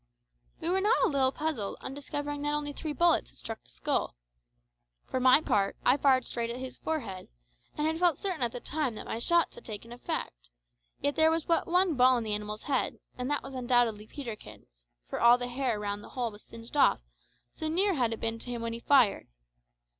We were not a little puzzled on discovering that only three bullets had struck the bull. For my part, I fired straight at its forehead, and had felt certain at the time that my shots had taken effect; yet there was but one ball in the animal's head, and that was undoubtedly Peterkin's, for the hair all round the hole was singed off, so near had it been to him when he fired.